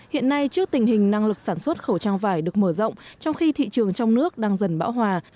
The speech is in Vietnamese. hiện nay trước tình hình năng lực sản xuất khẩu trang vải được mở rộng trong khi thị trường trong nước đang dần bão hòa